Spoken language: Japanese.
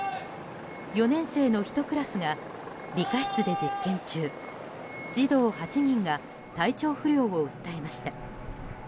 ４年生のひとクラスが理科室で実験中児童８人が体調不良を訴えました。